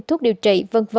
thuốc điều trị